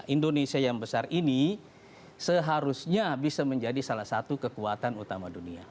indonesia yang besar ini seharusnya bisa menjadi salah satu kekuatan utama dunia